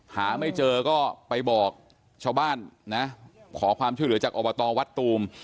หาไม่เจอก็ไปบอกชาวบ้านนะขอความช่วยเหลือจากอบตวัดตูม